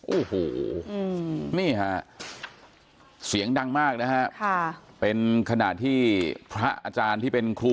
โอ้โหนี่ฮะเสียงดังมากนะฮะเป็นขณะที่พระอาจารย์ที่เป็นครู